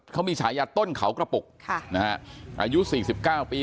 เขามีฉายาต้นเขากระปุกอายุ๔๙ปี